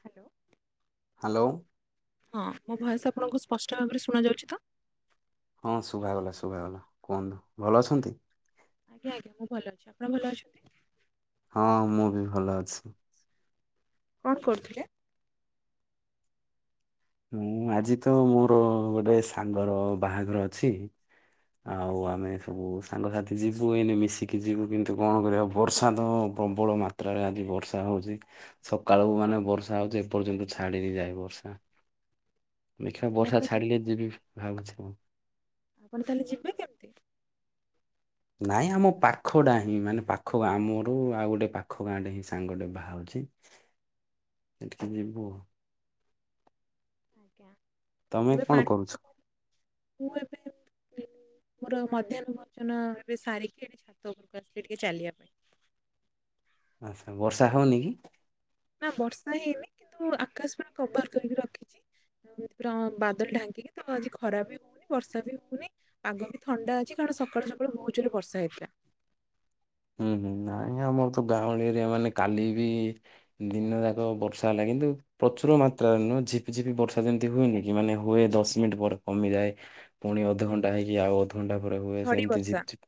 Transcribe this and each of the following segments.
Hello. Hello. ହଁ ମୋ voice ଆପଣଙ୍କୁ ସ୍ପଷ୍ଟ ଭାବରେ ଶୁଣ ଯାଉଛି ତ? ହଁ ଶୁଭାଗଲା ଶୁଭାଗଲା କୁହନ୍ତୁ ଭଲ ଅଛନ୍ତି। ଆଜ୍ଞା ଆଜ୍ଞା ମୁଁ ଭଲ ଅଛି। ଆପଣ ଭଲ ଅଛନ୍ତି? ହଁ ମୁଁ ବି ଭଲ ଅଛି। କଣ କରୁଥିଲେ? ହୁଁ ଆଜି ତ ମୋର ଗୋଟେ ସାଙ୍ଗର ବାହାଘର ଅଛି। ଆଜ୍ଞା ଆଉ ଆମେ ସବୁ ସାଙ୍ଗସାଥି ଯିବୁ ଏଇନେ ମିଶିକି ଯିବୁ କିନ୍ତୁ କଣ କରିବା ବର୍ଷା ତ ପ୍ରବଳ ମାତ୍ର ଯାତ୍ରାରେ ଆଜି ବର୍ଷା ହଉଛି ସକାଳକୁ ମାନେ ବର୍ଷା ହଉଛି ଏପର୍ଯ୍ୟନ୍ତ ଛାଡିିନି ଯାଏ ବର୍ଷା ଦେଖିବା ତାହେଲେ ବର୍ଷା ଆପଣ ଯିବେ ଛାଡିଲେ ଯିବି କେମିତି? ଭାବୁଛି ମୁଁ। ଆପଣ ତାହେଲେ ଯିବେ କେମତି? ନାଇଁ ଆମ ପାଖଟା ହିଁ ମାନେ ପାଖା ଆମର ଆଉ ଗୋଟେ ପାଖ ଗାଁଟେ ହିଁ ସାଙ୍ଗଟେ ବାହାରୁଛି ଯିବୁ ଆଞା ତମେ ଏବେ କଣ କରୁଛ? ପାଣି ମୁ ଏବେ ମୋର ମଧ୍ୟାହ୍ନ ଭୋଜନ ଏବେ ସାରିକି ଏଠି ଛାତ ଉପରକୁ ଆସିଚି ଟିକେ ଚାଲିବାପାଇଁ ବର୍ଷା ହୋଉନିକି? ନା ବର୍ଷା ହେଇନି କିନ୍ତୁ ଆକାଶ ପୁରା କଭର କରିକି ରଖିଛି। ପୁରା ବାଦଲ ଢାଙ୍କିକିତ ଆଜି ଖରାବି ହଉନି ବର୍ଷାବି ହଉନି ପାଗବି ଥଣ୍ଡା ଅଛି କାରଣ ସକାଳୁ ସକାଳୁ ବହୁତ ଜୋରେ ବର୍ଷା ହେଇଥିଲା। ହୁଁ ହୁଁ ନାଇଁ ଆମରତ ଗାଉଁଲି ଏରିଆ ମାନେ କାଲିବି ଦିନ ଯାକ ବର୍ଷା ହେଲା କିନ୍ତୁ ପ୍ରଚୁର ମାତ୍ରାରେ ନୁହଁ ଝିପି ଝିପି ବର୍ଷା ଯେମିତି ହୁଏନିକି ମାନେ ହୁଏ ଦଶ ମିନିଟ ପରେ କମିଯାଏ। ପୁଣି ଅଧଘଣ୍ଟା ଆଜ୍ଞା, ହେଇକି ଆଉ ଅଧଘଣ୍ଟା ପରେ ହୁଏ ଝଡି ସେମିତି ବର୍ଷା ଝିପ୍ ଝିପ୍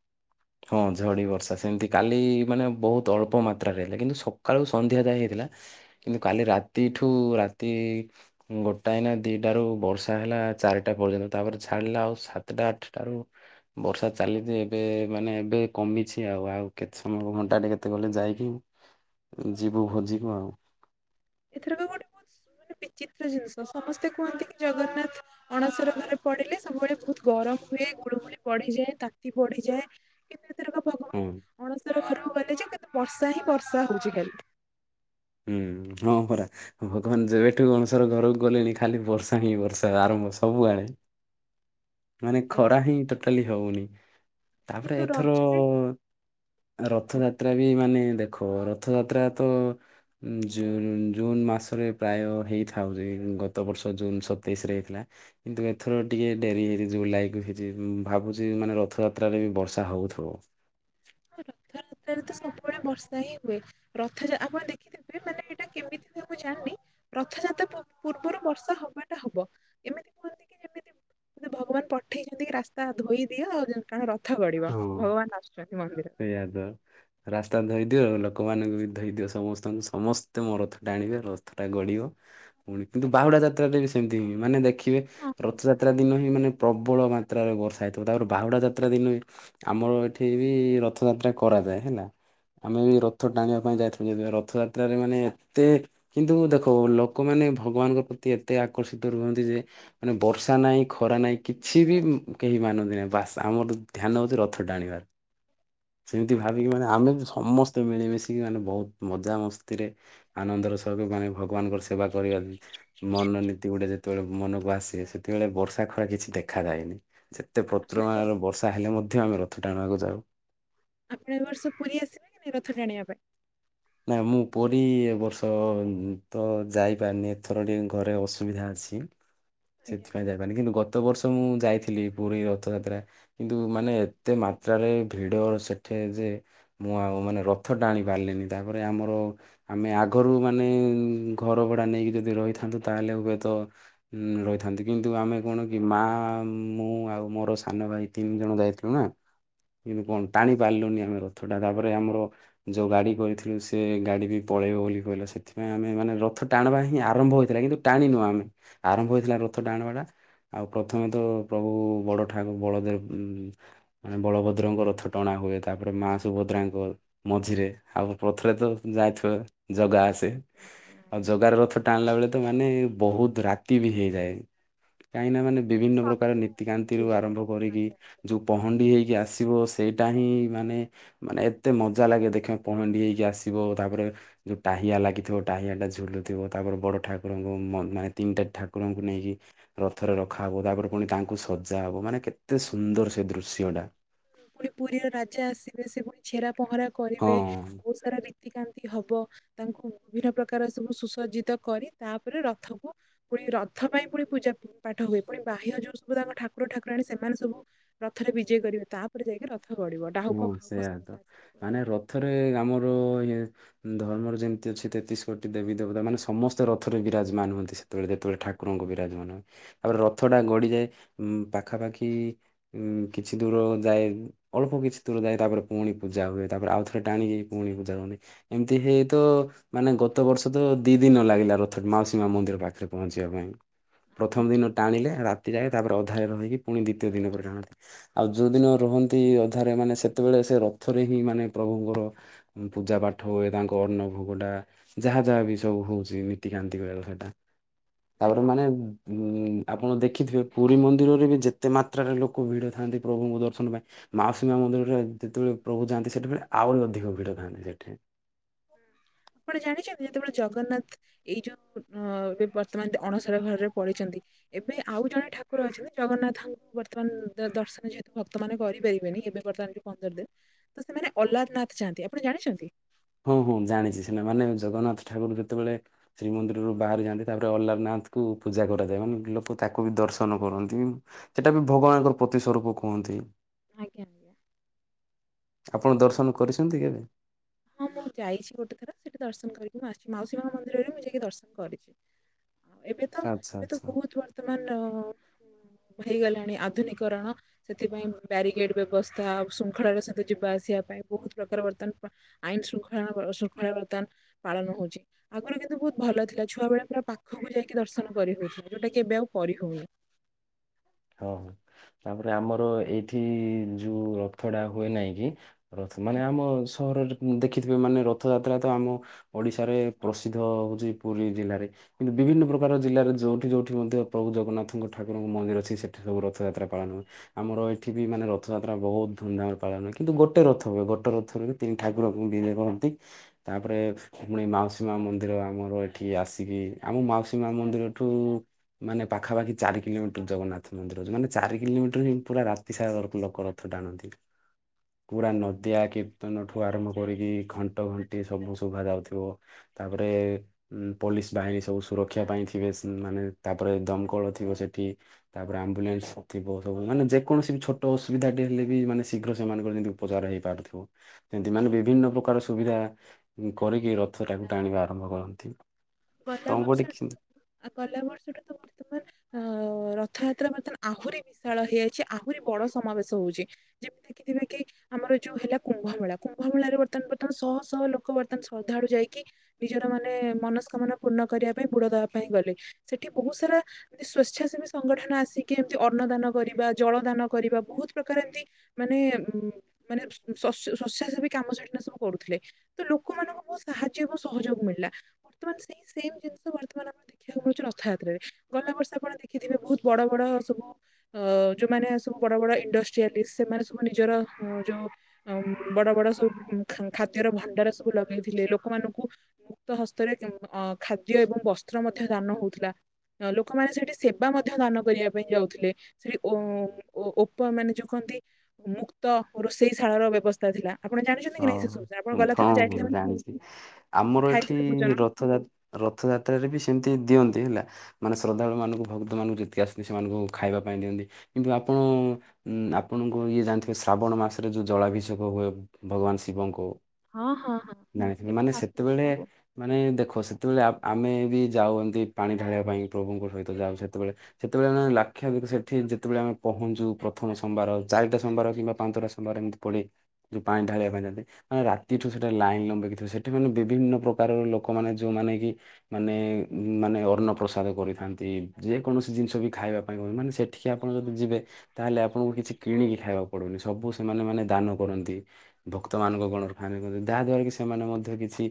ହଁ ଝଡିବର୍ଷା। ସେମିତି କାଲି ମାନେ ବହୁତ ଅଳ୍ପ ମାତ୍ରାରେ ହେଲା କିନ୍ତୁ ସକାଳୁ ସନ୍ଧ୍ୟା ଯାଏ ହେଇଥିଲା। କାଲି ରାତିଠୁ ରାତି ଗୋଟାଏ ନା ଦିଟାରୁ ବର୍ଷା ହେଲା ଚାରିଟା ପର୍ଯ୍ୟନ୍ତ ତାପରେ ଛାଡିଲା ଆଉ ସାତଟା ଆଠଟାରୁ ବର୍ଷା ଚାଲିଛି ଏବେ ମାନେ ଏବେ କମିଛି ଆଉ। ଆଉ କେତେ ସମୟ ଘଣ୍ଟାଟେ କେତେ ଗଲେ ଯାଇକି ଯିବୁ ଭୋଜିକୁୁ ଆଉ। ଏଥରକ ଗୋଟେ ବହୁତ ମାନେ ବିଚିତ୍ର ଜିନିଷ ସମସ୍ତେ କୁହନ୍ତି କି ଜଗନ୍ନାଥ ଅଣସର ଘରେ ପଡ଼ିଲେ ସବୁବେଳେ ବହୁତ୍ ଗରମ ହୁଏ ଗୁଳୁ ଗୁଳି ପଡ଼ିଯାଏ ତାତି ପଡ଼ିଯାଏ କିନ୍ତୁ ଏଥରକ ହୁଁ ଭଗବାନ ଅଣସର ଘରକୁ ଗଲେଯେ କେତେ ବର୍ଷାହିଁ ବର୍ଷା ହଉଚି କାଲିଠୁ ହଁ ପରା ଭଗବାନ ଯେବେଠୁ ଅଣଶର ଘରକୁ ଗଲେଣି ଖାଲି ବର୍ଷାହିଁ ବର୍ଷା ଆରମ୍ଭ ସବୁଆଡ଼େ ମାନେ ଆଜ୍ଞା ଖରାହିଁ ଟୋଟାଲି ହୋଉନି। ତାପରେ କିନ୍ତୁ ଏଥର ରଜରେ ହଁ ରଥଯାତ୍ରାବି କିନ୍ତୁ ମାନେ ଦେଖ ରଥଯାତ୍ରାତ ଜୁନ୍ ଜୁନମାସରେ ପ୍ରାୟ ହେଇଥାଉଯେ ଗତ ବର୍ଷ ଜୁନ୍ ସତେଇଶିରେ ହେଇଥିଲା। କିନ୍ତୁ ଏଥର ଟିକେ ଡେରି ହେଇଚି ଜୁଲାଇକୁ ଯେ ଭାବୁଚି ମାନେ ରଥଯାତ୍ରାରେ ବର୍ଷା ହେଉଥିବ। ରଥ ଯାତ୍ରାରେତ ସବୁବେଳେ ବର୍ଷାହିଁ ହୁଏ ରଥ ଆପଣ ଦେଖିଥିବେ ମାନେ ଏଇଟା କେମିତିବି ମୁଁ ଜାଣିନି ରଥଯାତ୍ରା ପୂର୍ବରୁ ବର୍ଷା ହବାଟା ହବ ଏ ଏମିତି କୁହନ୍ତିକି ଯେମିତି ମାନେ ଭଗବାନ୍ ପଠେଇଚନ୍ତିକି ରାସ୍ତା ଧୋଇ ଦିଅ କାରଣ ରଥ ଗଢିବ ଭଗବାନ୍ ଆସୁଛନ୍ତି ମନ୍ଦିରରେ ସେଇଆତ ରାସ୍ତା ଧୋଇଦିଅ ଲୋକମାନଙ୍କୁବି ଧୋଇ ଦିଅ ସମସ୍ତଙ୍କୁ ସମସ୍ତେ ମୋ ରଥଟା ଟାଣିବେ ରଥଟା ଗଡ଼ିବ ପୁଣି କିନ୍ତୁ ବାହୁଡ଼ା ଯାତ୍ରାରେବି ସେମିତି ମାନେ ଦେ ଦେଖିବେ ରଥଯାତ୍ରା ଦିନହିଁ ମାନେ ପ୍ରବଳ ମାତ୍ରାରେ ବର୍ଷା ହେଇଥିବ ତାପରେ ବାହୁଡ଼ା ଯାତ୍ରା ଦିନବି ଆମର ଏଠିବି ରଥଯାତ୍ରା କରାଯାଏ ହେଲା ଆମେବି ରଥ ଟାଣିବା ପାଇଁ ଯାଇଥିଲୁ ଆମେ ରଥଯାତ୍ରାରେ ମାନେ ଏତେ କିନ୍ତୁ ଦେଖ ଲୋକମାନେ ଭଗବାନଙ୍କ ପ୍ରତି ଏତେ ଆକର୍ଷିତ ରୁହନ୍ତିଯେ ମାନେ ବର୍ଷାନାହିଁ ଖରାନାହିଁ କିଛିବି କେହି ମାନନ୍ତି ନାହିଁ ବାସ୍ ଆମର ଧ୍ୟାନ ହେଉଚି ରଥ ଟାଣିବାର ସେମତି ଆଜ୍ଞା ଭାବିକି ମାନେ ଆମେବି ସମସ୍ତେ ମିଳିମିଶିକି ମାନେ ବହୁତ୍ ମଜାମସ୍ତିରେ ଆନନ୍ଦର ସହିତ ମାନେ ଭଗବାନଙ୍କର ସେବା କରିବାବି ମନନୀତି ଗୁଟେ ଯେତେବେଳେ ମନକୁ ଆସେ ସେତେବେଳେ ବର୍ଷା ଖରା କିଛି ଦେଖାଯାଏନି ସେତେ ଏତେ ଆପଣ ଏ ବର୍ଷ ପ୍ରଚୁରମାନରେ ବର୍ଷା ହେଲେ ମଧ୍ୟ ଆମେ ରଥ ଟାଣିବାକୁ ଯାଉ। ଆପଣ ଏବର୍ଷ ପୁରୀ ଆସିବେକି ନାଇଁ ରଥ ଟାଣିବା ପାଇଁ? ନା ମୁଁ ପୁରୀ ଏବର୍ଷତ ଯାଇପାରିନି ଏଥର ଟିକେ ଘରେ ଅସୁବିଧା ଅଛି। ଆଜ୍ଞା ସେଥିପାଇଁ ଯାଇପାରନି କିନ୍ତୁ ଗତ ବର୍ଷ ମୁଯାଇଥିଲି ପୁରୀ ରଥଯାତ୍ରା କିନ୍ତୁ ମାନେ ଏତେ ମାତ୍ରାରେ ଭିଡ଼ ସେଠିଯେ ମୁଁ ଆଉ ମାନେ ରଥ ଟାଣି ପାରିଲିନି ତାପରେ ଆମର ଆମେ ଆଗରୁ ମାନେ ଘରଭଡ଼ା ନେଇକି ଯଦି ରହିଥାନ୍ତୁ ତାହେଲେ ହୁଏତ ରହିଥାନ୍ତି କିନ୍ତୁ ଆମେ କଣକି ମାଁ ମୁଁ ଆଉ ମୋର ସାନ ଭାଇ ତିନି ଜଣ ଯାଇଥିଲୁନା କିନ୍ତୁ ଆଜ୍ଞା କଣ ଟାଣି ପାରିଲୁନି ଆମେ ରଥଟା ତାପରେ ଆମର ଯୋଉ ଗାଡ଼ି କରିଥିଲୁ ସେଗାଡ଼ିବି ପଳେଇବ ବୋଲି କହିଲା ସେଥିପାଇଁ ଆମେ ମାନେ ରଥ ଟାଣିବାହିଁ ଆରମ୍ଭ ହୋଇଥିଲା କିନ୍ତୁ ଟାଣିନୁ ଆମେ। ଆରମ୍ଭ ହେଇଥିଲା ରଥ ଟାଣିବାଟା। ଆଉ ପ୍ରଥମେତ ପ୍ରଭୁ ବଡ଼ ଠାକୁ ବଳଦେବ ମାନେ ବଳଭଦ୍ରଙ୍କ ରଥ ଟଣା ହୁଏ ତାପରେ ମାଁ ସୁଭଦ୍ରାଙ୍କ ମଝିରେ ଆଉ ପଥରେତ ଯାଇଥିବ ଜଗା ଆସ ଦେ ଆଉ ଆଜ୍ଞା। ଜଗାର ରଥ ଟାଣିଲା ବେଳେତ ମାନେ ବହୁତ୍ ରାତିବି ହେଇଯାଏ। କାହିଁକିନା ମାନେ ସେ ତ ବିଭନ୍ନ ସତ ପ୍ରକାର ନୀତିକାନ୍ତିରୁ ଆରମ୍ଭ କରିକି ଯୋଉ ପହଣ୍ଡି ହେଇକି ଆସିବ ସେଇଟାହି ମାନେ ମାନେ ଏତେ ମଜା ଲାଗେ ଦେଖିବା ପହଣ୍ଡି ହେଇକି ଆସିବ ତାପରେ ଯୋଉ ଟାହିଆ ଲାଗିଥିବ ଟାହିଆଟା ଝୁଲୁଥିବ ତାପରେ ବଡ଼ ଠାକୁରଙ୍କୁ ମ ମାନେ ତିନିଟା ଠାକୁରଙ୍କୁ ନେଇକି ରଥରେ ରଖାହବ ତାପରେ ପୁଣି ତାଙ୍କୁ ସଜା ହବ ମାନେ କେତେ ସୁନ୍ଦର ସେଦୃଶ୍ୟଟା। ପୁଣି ପୁରୀର ରାଜା ଆସିବେ ସେପୁଣି ଛେରା ପହଁରା କରିବେ ହଁ। ବହୁତ୍ ସାରା ରୀତିକାନ୍ତି ହବ। ତାଙ୍କୁ ବିଭିନ୍ନ ପ୍ରକାର ସବୁ ସୁସଜ୍ଜିତ କରି ତାପରେ ରଥକୁ ପୁଣି ରଥ ପାଇଁ ପୁଣି ପୂଜା ପାଠ ହୁଏ ପୁଣି ବାହ୍ୟ ଯୋଉ ସବୁ ତାଙ୍କ ଠାକୁର ଠାକୁରାଣୀ ସେମାନେ ସବୁ ରଥରେ ବିଜେ କରିବେ ତାପରେ ଯାଇକି ରଥ ଗଡିବ ହଁ ଡାହୁକ ସେଇଆ ଫାଉକ ସ ତ ମାନେ ରଥରେ ଆମର ୟେ ଧର୍ମର ଯେମିତି ଅଛି ତେତିଶ କୋଟି ଦେବୀ ଦେବତା ମାନେ ସମସ୍ତେ ରଥରେ ବିରାଜମାନ ହୁଅନ୍ତି ସେ କେତେବେଳେ ଯେତେବେଳେ ଠାକୁରଙ୍କୁ ବିରାଜମାନ ହୁଏ ତାପରେ ରଥ ଟା ଗଡିଯାଏ ଉଂ ପାଖାପାଖି ଉଁ କିଛି ଦୂର ଯାଏ ଅଳ୍ପ କିଛି ଭିତୁରୁ ଯାଏ ତାପରେ ପୁଣି ପୂଜା ହୁଏ ତାପରେ ଆଉଥରେ ଟାଣିକି ପୁଣି ପୂଜା ହୁଅନ୍ତି ଏମିତି ହେଇ ତ ମାନେ ଗତ ବର୍ଷ ତ ଦି ଦିନ ଲାଗିଲା ରଥ ମାଉସୀ ମା ମନ୍ଦିର ପାଖରେ ପହଞ୍ଚିବା ପାଇଁ। ପ୍ରଥମ ଦିନ ଟାଣିଲେ ରା ତି ଯାଏ ତାପରେ ଅଧାରେ ରହିକି ପୁଣି ଦ୍ଵିତୀୟ ଦିନ ପରେ ଯାଣନ୍ତି ଆଉ ଯୋଉ ଦିନ ରୁହନ୍ତି ଅଧାରେ ମାନେ ସେତେବେଳେ ସେ ରଥରେ ହିଁ ମାନେ ପ୍ରଭୁଙ୍କର ପୂଜାପାଠ ହୁଏ ତାଙ୍କ ଅନ୍ନ ଭୋଗଟା। ଯାହା ଯାହା ବି ସବୁ ହଉଛି ନତିକାନ୍ତି କଳ [inaudible] ସେଟା ତାପରେ ମାନେ। ହୁଁ, ଆପଣ ଦେଖିଥିବେ ପୁରୀ ମନ୍ଦିରରେ ବି ଯେତେ ମାତ୍ରାରେ ଲୋକ ଭିଡ଼ ଥାନ୍ତି ପ୍ରଭୁଙ୍କ ଦର୍ଶନ ପାଇଁ। ମାଉସୀ ମା ମନ୍ଦିର ରେ ଯେତେବେଳେ ପ୍ରଭୁ ଯାଆନ୍ତି ସେଠେବେଳେ ଆହୁରି ଅଧିକ ଭିଡ ଥାଆନ୍ତି ସେଠି। ଆପଣ ଜାଣିଛନ୍ତି ଯେତେବେଳେ ଜଗନ୍ନାଥ ଏଇ ଯୋଉ ଅ ଏ ବର୍ତ୍ତମାନ ଅଣସର ଘରରେ ପଡିଛନ୍ତି। ଏବେ ଆଉ ଜଣେ ଠାକୁର ଅଛନ୍ତି ଜଗନ୍ନାଥଙ୍କୁ ବର୍ତ୍ତମାନ ଦର୍ଶନ ଯେହେତୁ ଭକ୍ତ ମାନେ କରିପାରିବେନି ଏବେ ବର୍ତ୍ତମାନ ପନ୍ଦର ଦିନ ତ ସେମାନେ ଅ୍ଲାରନାଥ ଯାଆନ୍ତି ଆପଣ ଜାଣିଛନ୍ତି। ହୁଁ, ହୁଁ ଜାଣିଛି ସିନା ମାନେ ଜଗନ୍ନାଥ ଠାକୁର ଯେତେବେଳେ ଶ୍ରୀମନ୍ଦିରରୁ ବାହାରି ଯାଆନ୍ତି ତାପରେ ଅଲାରନାଥ କୁ ପୂଜା କରାଯାଏ ମାନେ ଲୋକ ତାକୁ ବି ଦର୍ଶନ କରନ୍ତି। ସେଟା ବି ଭଗବାନଙ୍କର ପ୍ରତି ସ୍ୱରୂପ କୁହନ୍ତି। ଆଜ୍ଞା। ଆଜ୍ଞା ଆପଣ ଆଉ ଦର୍ଶନ କରିଛନ୍ତି କେବେ? ହଁ ମୁଁ ଯାଇଛି ଗୋଟେ ଥର ସେଠି ଦର୍ଶନ କରିକି ମୁଁ ଆସିଛି ମାଉସୀ ମା ମନ୍ଦିରରେ ମୁଁ ଯାଇକି ଦର୍ଶନ କରିଛି। ଏବେ ତ ଆଚ୍ଛା ଏବେ ତ ଆଚ୍ଛା। ବହୁତ ବର୍ତ୍ତମାନ ହେଇଗଲାଣି ଆଧୁନିକରଣ। ସେଥିପାଇଁ ବ୍ୟାରିକେଡ ବ୍ୟବସ୍ଥା ଶୃଙ୍ଖଳାରେ ସହିତ ଯିବା ଆସିବା ପାଇଁ ବହୁତ ପ୍ରକାର ବର୍ତ୍ତମାନ ଆଇନ ଶୃଙ୍ଖଳାଣ ଶୃଙ୍ଖଳା ବର୍ତ୍ତମାନ ପାଳନ ହଉଛି। ଆଗୁରୁ କିନ୍ତୁ ବହୁତ ଭଲ ଥିଲା ଛୁଆବେଳେ ପୁରା ପାଖକୁ ଯାଇକି ଦର୍ଶନ କରିହଉଥିଲେ ଯୋଉଟା କି ଏବେ ଆଉ କରିହଉନି। ହ ହଁ, ତାପରେ ଆମର ଏଇଠି ଯୋଉ ରଥ ଡ଼ା ହୁଏ ନାଇଁ କି। ରଥ ମାନେ ଆମ ସହରରେ ଦେଖିଥିବେ ମାନେ ରଥଯାତ୍ରା ତ ଆମ ଓଡିଶାରେ ପ୍ରସିଦ୍ଧ ହଉଛି ପୁରୀ ଜିଲ୍ଲାରେ। କିନ୍ତୁ ବିଭିନ୍ନ ପ୍ରକାର ଜିଲ୍ଲାରେ ଯୋଉଠି ଯୋଉଠି ମଧ୍ୟ ପ୍ରଭୁ ଜଗନ୍ନାଥଙ୍କ ଠାକୁରଙ୍କ ମନ୍ଦିର ଅଛି ସି ସେଠି ସବୁ ରଥ ଯାତ୍ରା ପାଳନ ହୁଏ। ଆମର ଏଠି ବି ମାନେ ରଥଯାତ୍ରା ବହୁତ ଧୁମଧାମରେ ପାଳନ ହୁଏ କିନ୍ତୁ ଗୋଟେ ରଥ ହୁଏ ଗୋଟେ ରଥରେ। ତିନି ଠାକୁରଙ୍କୁ ବିଜେ କରନ୍ତି ତାପରେ। ପୁଣି ମାଉସୀ ମା ମନ୍ଦିର ଆମର ଏଠି ଆସିକି ଆମ ମାଉସୀ ମା ମନ୍ଦିରଠୁ। ମାନେ ପାଖାପାଖି ଚାରି କିଲୋମିଟର ଜଗନ୍ନା ରଥ ମନ୍ଦିର ମାନେ ଚାରି କିଲୋମିଟର ହିଁ ପୁରା ରାତି ସାରା ଲୋକ ରଥ ଟାଣନ୍ତି। ପୁରା ନଦିଆ କୀର୍ତ୍ତନ ଠୁ ଆରମ୍ଭ କରିକି ଘଣ୍ଟ ଘଣ୍ଟି ସବୁ ଶୁଭା ଯାଉଥିବ। ତାପରେ। ଉ ପୋଲିସ ବାହିନୀ ସବୁ ସୁରକ୍ଷା ପାଇଁ ଥିବେ ମାନେ ତାପରେ ଦମକଳ ଥିବ ସେଠି। ତାପରେ ଆମ୍ବୁଲାନ୍ସ ଥିବ ସବୁ ମାନେ ଯେକୌଣସି ବି ଛୋଟ ଅସୁବିଧାଟେ ହେଲେ ବି ମାନେ ଶୀଘ୍ର ସେମାନଙ୍କର ଯେମତି ଉପଚାର ହେଇପାରୁଥିବ। ସେମତି ମାନେ ବିଭିନ୍ନ ପ୍ରକାର ସୁବିଧା କରିକି ରଥ ଟାକୁ ଟାଣିବା ଆରମ୍ଭ କରନ୍ତି। ଗଲା ତମ ପଟେ ବର୍ଷଟା ତ କି ଆଉ ଗଲା ବର୍ଷ ଟା ତ ତମ ଅ ରଥଯାତ୍ରା ବର୍ତ୍ତମାନ ଆହୁରି ବିଶାଳ ହେଇଯାଇଛି ଆହୁରି ବଡ ସମାବେଶ ହଉଛି। ଯେମିତି କିିି ଦିନେ କି। ଆମର ଯୋଉ ହେଲା କୁମ୍ଭ ମେଳା କୁମ୍ଭ ମେଳାରେ ବର୍ତ୍ତମାନ ବର୍ତ୍ତମାନ ଶହ ଶହ ଲୋକ ବର୍ତ୍ତମାନ ଶ୍ରଦ୍ଧାଳୁ ଯାଇକି। ନିଜର ମାନେ ମନସ୍କାମନା ପୂର୍ଣ୍ଣ କରିବା ପାଇଁ ବୁଡ ଦବା ପାଇଁ ଗଲେ ସେଠି ବହୁତ ସାରା। ସ୍ଵେଚ୍ଛାସେବୀ ସଂଗଠନ ଆସିକି ଏମିତି ଅନ୍ନ ଦାନ କରିବା ଜଳ ଦାନ କରିବା ବହୁତ ପ୍ରକାର ଏମତି। ମାନେ ଉଁ ମାନେ ଶ ଶସ୍ୟ ଶସ୍ୟା ସେବୀ କାମ ସେଠିକିନା ସବୁ କରୁଥିଲେ। ତ ଲୋକମାନଙ୍କୁ ବହୁତ୍ ସାହାଯ୍ୟ ଏବଂ ସହଯୋଗ ମିଳିଲା ବର୍ତ୍ତମାନ ସେଇ ସେମ ଜିନିଷ ବର୍ତ୍ତମାନ ଆମ ଦେଖିବାକୁ ମିଳୁଛି ରଥଯାତ୍ରାରେ ଗଲା ବର୍ଷ ଆପଣ ଦେଖିଥିବେ ବହୁତ୍ ବଡ ବଡ ସବୁ ଅ ଯୋଉମାନେ ସବୁ ବଡ ବଡ ଇଣ୍ଡଷ୍ଟ୍ରିଆଲିସ ସେମାନେ ସବୁ ନିଜର ଅ ଯୋ ଆଉ ବଡ ବଡ ସବୁ ଖାଁ ଖାଦ୍ୟର ଭଣ୍ଡାର ସବୁ ଲଗେଇଥିଲେ ଲୋକମାନଙ୍କୁ ମୁକ୍ତ ହ ଭିତରେ ଅ ଖାଦ୍ୟ ଏବଂ ବସ୍ତ୍ର ମଧ୍ୟ ଦାନ ହଉଥିଲା। ଅ ଲୋକମାନେ ସେଠି ସେବା ମଧ୍ୟ ଦାନ କରିବା ପାଇଁ ଯାଉଥିଲେ। ସେଠି ଓ ଓ ଓପ ମାନେ ଯୋଉ କହନ୍ତି ମୁକ୍ତ ରୋଷେଇ ଶାଳା ର ବ୍ୟବସ୍ଥା ଥିଲା। ଆପଣ ଜାଣିଛନ୍ତି କି ନାହିଁ ଅଁ ସେ ସବୁ ଆପଣ ଗଲାଥରକ ଯାଇଥିଲେ ହଁ ଜାଣିଛି ଆମର ଏଠି ଖାଇଥିଲେ ଭୋଜନ ରଥଯା ରଥଯାତ୍ରାରେ ବି ସେମିତି ଦିଅନ୍ତି ହେଲା। ମାନେ ଶ୍ରଦ୍ଧାଳୁ ମାନଙ୍କୁ ଭକ୍ତ ମାନଙ୍କୁ ଯେତିକି ଆସନ୍ତି ସେମାନଙ୍କୁ ଖାଇବା ପାଇଁ ଦିଅନ୍ତି। କିନ୍ତୁ ଆପଣ ଉଁ ଆପଣଙ୍କୁ ଇଏ ଜାଣିଥିବେ ଶ୍ରାବଣ ମାସରେ ଯୋଉ ଜଳାଭିଷେକ ହୁଏ। ଭଗବାନ ଶିବଙ୍କୁ ହଁ ହଁ ଜାଣିଥିବେ ଏବେ ତ ମାନେ ଆସିବ ସେତେବେଳେ ଆଗକୁ ମାନେ ଦେଖ ସେତେବେଳେ ଆ ଆମେ ବି ଯାଉ ଏମତି ପାଣି ଢାଳିବା ପାଇଁ ପ୍ରଭୁଙ୍କ ସହିତ ଯାଉ ସେତେବେଳେ ସେତେବେଳେ ମାନେ ଲାକ୍ଷାଧିକ ସେଠି ଯେତେବେଳେ ଆମେ ପହଁଞ୍ଚୁ ପ୍ରଥମ ସମ୍ବାର ଚାରିଟା ସମ୍ବାର କିମ୍ବା ପାଞ୍ଚଟା ସ ମ୍ବାର ଏମିତି ପଡ଼େ ଯୋଉ ପାଣି ଢାଳିବା ପାଇଁ ଯାନ୍ତି। ମାନେ ରାତିଠୁ ସେଟେ ଲାଇନ୍ ଲମ୍ବେଇକି ଥିବେ ସେଠି ମାନେ ବିଭିନ୍ନ ପ୍ରକାରର ଲୋକ ମାନେ ଯୋଉମାନେ କି ମାନେ ମାନେ ଅନ୍ନ ପ୍ରସାଦ କରିଥାନ୍ତି ଯେକୌଣସି ଜିନିଷ ବି ଖାଇବା ପାଇଁ ମାନେ ସେ ଠିକି ଆପଣ ଯଦି ଯିବେ ତାହେଲେ ଆପଣଙ୍କୁ କିଛି କିଣିକି ଖାଇବାକୁ ପଡିବନି ସବୁ ସେମାନେ ମାନେ ଦାନ କରନ୍ତି। ଭକ୍ତ ମାନଙ୍କ ଗଣରେ ଖାଆନ୍ତି ଯହା ଦ୍ୱାରା କି ସେମାନେ ମଧ୍ୟ କି ଛି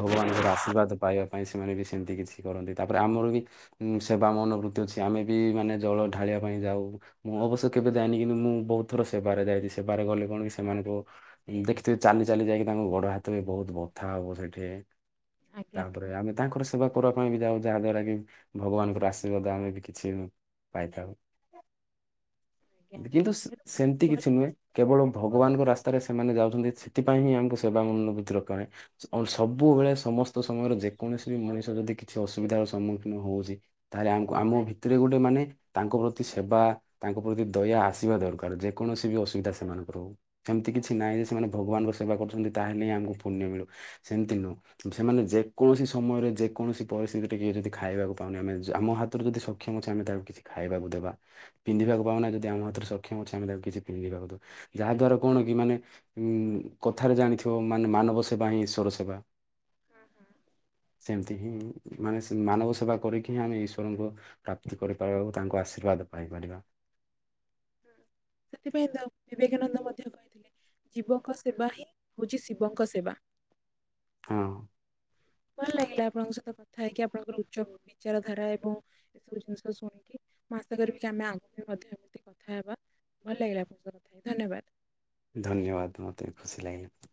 ଭଗବାନଙ୍କର ଆଶ୍ରୀର୍ବାଦ ପାଇବା ପାଇଁ ସେମାନେ ବି ସେମିତି କିଛି କରନ୍ତି ତାପରେ ଆମର ବି ଉଁ ସେବା ମନୋବୃତ୍ତି ଅଛି ଆମେ ବି ମାନେ ଜଳ ଢାଳିବା ପାଇଁ ଯାଉ। ମୁଁ ଅବଶ୍ୟ କେବେ ଯାଏନି କିନ୍ତୁ ମୁଁ ବହୁତ୍ ଥର ସେବାରେ ଯାଇଛି ସେବାରେ ଗଲେ କଣ କି ସେମାନଙ୍କୁ ଦେଖିଥିବେ ଚାଲି ଚାଲି ଯାଇକି ତାଙ୍କ ଗୋଡ ହାତ ବି ବହୁତ୍ ବଥା ହବ ସେଠି। ତାପରେ ଆମେ ତାଙ୍କର ସ ସେବା କରିବା ପାଇଁ ବି ଯାଉ ଯାହା ଦ୍ଵାରା କି ଭଗବାନଙ୍କର ଆଶ୍ରୀର୍ବାଦ ଆମେ ବି କିଛି ପାଇଥାଉ। କିନ୍ତୁ ସ ଏଇଟା ସେମିତି ବହୁତ ଭଲ କିଛି ନୁହେଁ ଜିନିଷ କେବଳ ଭଗବାନଙ୍କ ରା ସ୍ତାରେ ସେମାନେ ଯାଉଛନ୍ତି ସେଥିପାଇଁ ହିଁ ଆମକୁ ସେବା ମନବୃତି ଦକାରେ। ଅ ସବୁବେଳେ ସମସ୍ତ ସମୟରେ ଯେକୌଣସି ବି ମଣିଷ ଯଦି କିଛି ଅସୁବିଧାର ସମ୍ମୁଖୀନ ହଉଛି ତାହେଲେ ଆମକୁ ଆମ ଭିତରେ ଗୋଟେ ମାନେ ତାଙ୍କ ପ୍ରତି ସେବା ତାଙ୍କ ପ୍ରତି ଦୟା ଆସିବା ଦରକାର୍ ଯେକୌଣସି ବି ଅସୁବିଧା ସେମାନଙ୍କର ହଉ। ସେମିତି କିଛି ନାହିଁ ଯେ ସେମାନେ ଭଗବାନଙ୍କ ସେବା କରୁଛନ୍ତି ତାହେଲେ ହିଁ ଆମକୁ ପୁନ୍ୟ ମିଳୁ ସେମିତି ନୁହଁ। ସେମାନେ ଯେକୌଣସି ସମୟରେ ଯେକୌଣସି ପରିସ୍ଥିତି ଟିକେ ଯଦି ଖାଇବାକୁ ପାଉନି ଆମେ ଆମ ହାତରୁ ଯଦିସ ସକ୍ଷମ ଅଛି ଆମେ ତାକୁ କିଛି ଖାଇବାକୁ ଦେବା। ପିନ୍ଧିବାକୁ ପାଉନା ଯଦି ଆମ ହାତରେ ସକ୍ଷମ ଅଛି ଅମେ ତାକୁ କିଛି ପିନ୍ଧିବାକୁୁ ଦ ଯାହା ଦ୍ଵାରା କଣ କି ମାନେ ଉଁ କଥାରେ ଜାଣିଥିବ ମାନେ ମାନବ ସେବା ହିଁ ଈଶ୍ୱର ସେବା। ହୁଁ ହୁଁ। ସେମିତି ହିଁ ମାନେ ସ ମାନବ ସେବା କରିକି ହିଁ ଆମେ ଈଶ୍ୱରଙ୍କୁ ପ୍ରାପ୍ତି କରିପାରିବା ଓ ତାଙ୍କୁ ଆଶ୍ରୀର୍ବାଦ ପାଇପାରିବା। ସେଥିପାଇଁ ତ ବିବେକାନନ୍ଦ ମଧ୍ୟ କହିଥିଲେ। ଜୀବଙ୍କ ସେବା ହିଁ ହଉଛି ଶିବଙ୍କ ସେବା। ହଁ। ଭଲ ଲାଗିଲା ଆପଣଙ୍କ ସହିତ କଥା ହେଇକି ଆପଣଙ୍କର ଉଚ୍ଚ ବିଚାର ଧାରା ଏବଂ ଏସବୁ ଜିନିଷ ଶୁଣିକି ମୁଁ ଆଶା କରିବି କି ଆମେ ଆଗକୁ ବି ମଧ୍ୟ ଏମିତି କଥା ହେବା। ଭଲ ଲାଗିଲା ଆପଣଙ୍କ ସହ କଥା ହେଇକି ଧନ୍ୟବାଦ। ଧନ୍ୟବାଦ୍ ମୋତେ ବି ଖୁସି ଲାଗିଲା।